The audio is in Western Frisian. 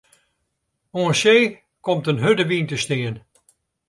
Oan see komt in hurde wyn te stean.